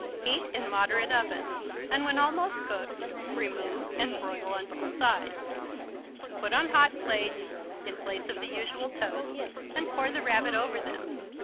Heat in moderate oven, and when almost cooked, remove and broil on both sides. Put on hot plates in place of the usual toast and pour the Rabbit over them.